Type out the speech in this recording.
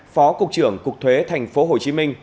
phó cục trưởng cục thuế tp hcm